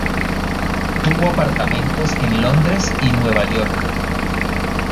Tuvo apartamentos en Londres y Nueva York.